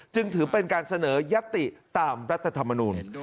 จึงถือเป็นการเสนอยัตติตามรัฐธรรมนูล